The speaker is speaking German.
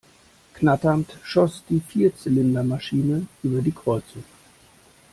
Knatternd schoss die Vierzylinder-Maschine über die Kreuzung.